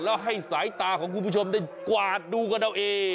แล้วให้สายตาของคุณผู้ชมได้กวาดดูกันเอาเอง